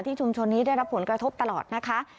ชุมชนนี้ได้รับผลกระทบตลอดนะคะ